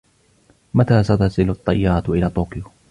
متى ستصل الطائرة إلى طوكيو ؟